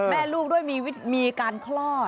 แม่ลูกด้วยมีการคลอด